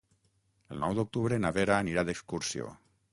El nou d'octubre na Vera anirà d'excursió.